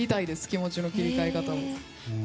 気持ちの切り替え方を。